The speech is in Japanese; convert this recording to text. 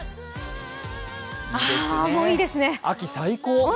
秋最高。